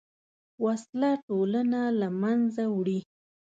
وسله ټولنه له منځه وړي